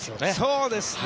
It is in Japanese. そうですよね。